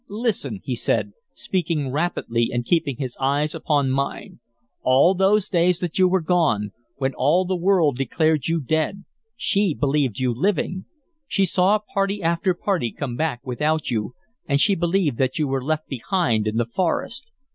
"Listen," he said, speaking rapidly and keeping his eyes upon mine. "All those days that you were gone, when all the world declared you dead, she believed you living. She saw party after party come back without you, and she believed that you were left behind in the forest.